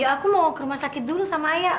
aku mau ke rumah sakit dulu sama ayah